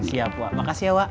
siap wak makasih ya wak